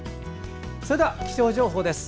それでは気象情報です。